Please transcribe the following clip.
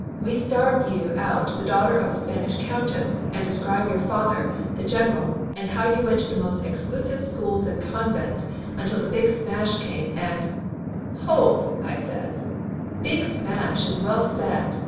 We start you out the daughter of a Spanish countess and describe your father, the general, and how you went to the most exclusive schools and convents until the big smash came, and " "Hold !" I says. "Big smash is well said